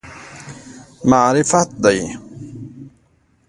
معرفت دی.